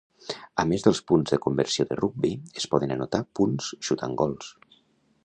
A més dels punts de conversió de rugbi, es poden anotar punts xutant gols.